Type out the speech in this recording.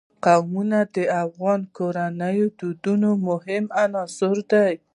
قومونه د افغان کورنیو د دودونو مهم عنصر دی.